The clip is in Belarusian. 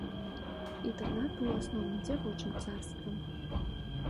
Інтэрнат быў у асноўным дзявочым царствам.